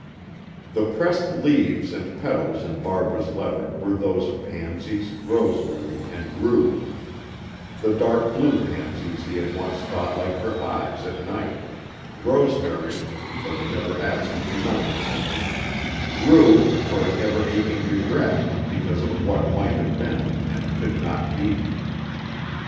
The pressed leaves and petals in Barbara's letter were those of pansies, rosemary, and rue: the dark blue pansies he had once thought like her eyes at night; rosemary for the never absent remembrance of them; rue for an ever aching regret, because of what might have been and could not be.